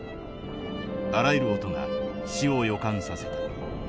あらゆる音が死を予感させた。